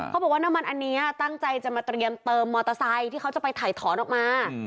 เขาบอกว่าน้ำมันอันนี้ตั้งใจจะมาเตรียมเติมมอเตอร์ไซค์ที่เขาจะไปถ่ายถอนออกมา